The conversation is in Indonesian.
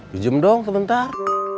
junjum dong sebentar